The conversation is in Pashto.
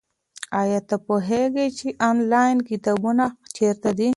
ایا ته پوهېږې چې انلاین کتابتونونه چیرته دي؟